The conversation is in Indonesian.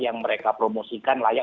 yang mereka promosikan layak